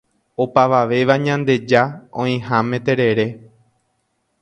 Opavavéva ñandeja oĩháme terere.